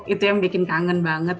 itu yang bikin kangen banget